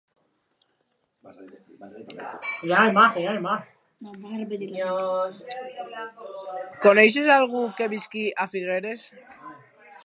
Coneixes algú que visqui a Figueres?